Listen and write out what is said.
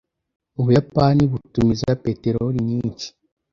ubuyapani butumiza peteroli nyinshi